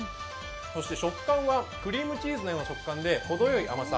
そして食感はクリームチーズのような食感でほどよい甘さ。